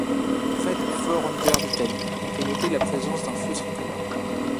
Près du fort Humbert d'Italie on peut noter la présence d'un feu tricolore.